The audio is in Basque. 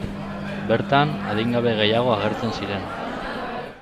Bertan, adingabe gehiago agertzen ziren.